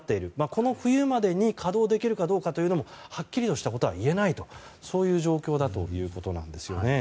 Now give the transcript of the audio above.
この冬までに稼働できるかどうかもはっきりとしたことは言えないというそういう状況だということです。